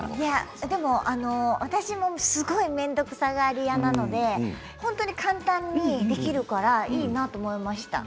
私も、すごく面倒くさがり屋なので本当に簡単にできるからいいなと思いました。